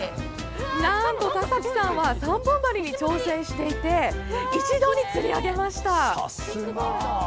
なんと、田崎さんは３本針に挑戦していて一度に釣り上げました。